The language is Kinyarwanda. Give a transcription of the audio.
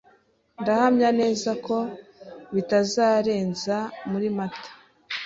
ndahamya neza ko kitazarenza muri Mata